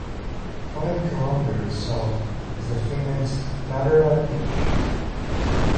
Five kilometers south is the famous Vatera beach.